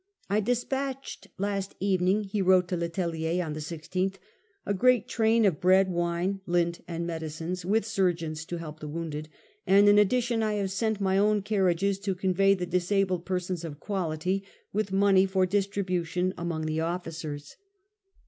' I despatched last evening/ he wrote to Le Tellier on the 16th, * a great train of bread, wine, lint, and medicines, with surgeons to help the wounded, and in addition I have sent my own carriages to convey the disabled persons of quality, with money for distribution among the officers.